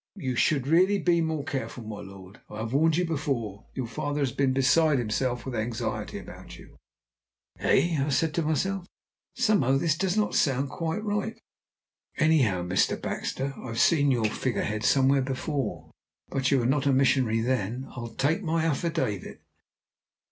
"You should really be more careful, my lord. I have warned you before. Your father has been nearly beside himself with anxiety about you!" "Eh?" said I to myself. "Somehow this does not sound quite right. Anyhow, Mr. Baxter, I've seen your figure head somewhere before but you were not a missionary then, I'll take my affidavit."